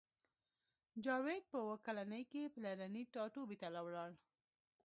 جاوید په اوه کلنۍ کې پلرني ټاټوبي ته لاړ